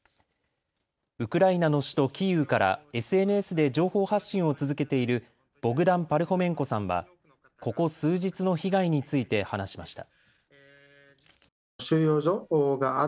ウクライナの首都キーウからＳＮＳで情報発信を続けているボグダン・パルホメンコさんはここ数日の被害について話しました。